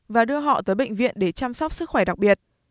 và đưa họ tới bệnh viện để chăm sóc sức khỏe đặc biệt